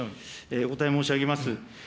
お答え申し上げます。